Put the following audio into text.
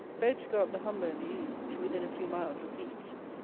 Boats go up the Humber and the Ouse to within a few miles of Leeds.